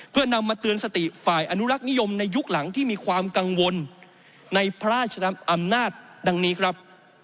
เพื่อนำมาเตือนสติฝ่ายอนุรักษ์นิยมในยุคหลังที่มีความกังวลในพระราชดำอำนาจดังนี้ครับ